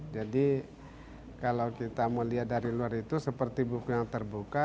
jadi kalau kita mau lihat dari luar itu seperti buku yang terbuka